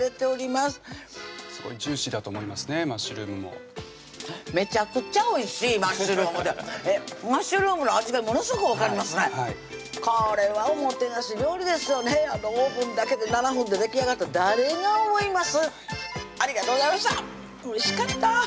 おいしかった！